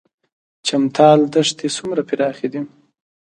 چمتال دښتې څومره پراخې دي؟